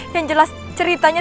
yang jelas ceritanya